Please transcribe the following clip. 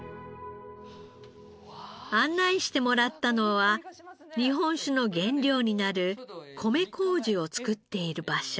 案内してもらったのは日本酒の原料になる米麹を作っている場所。